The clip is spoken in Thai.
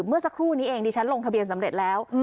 เมื่อสักครู่นี้เองดิฉันลงทะเบียนสำเร็จแล้ว